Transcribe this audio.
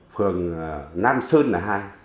phường nam sơn là hai